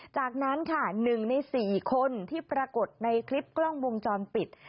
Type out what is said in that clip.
จากนั้นค่ะ๑ใน๔คนที่ปรากฏในคลิปกล้องวงจรปิด